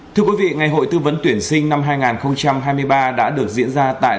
thưa quý vị ngày hội tư vấn tuyển sinh năm hai nghìn hai mươi ba đã được diễn ra tại